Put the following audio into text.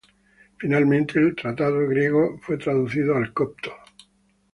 Finalmente, el tratado griego fue traducido al copto.